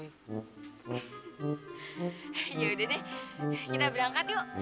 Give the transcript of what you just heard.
eh yaudah deh kita berangkat yuk